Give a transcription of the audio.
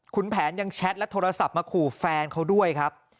คุณแผนยังแชทและโทรศัพท์มาขู่แฟนเขาด้วยครับ